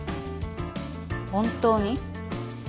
本当に？